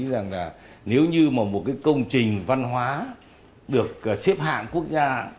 rằng là nếu như mà một cái công trình văn hóa được xếp hạng quốc gia